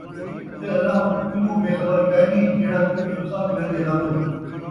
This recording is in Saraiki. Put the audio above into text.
اَتے اللہ اُوں کنوں بے خبر کائے نھیں جِہڑا کُجھ تُساں کریندے رہندو ۔